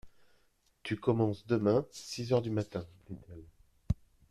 Tu commences demain, six heures du matin, dit-elle.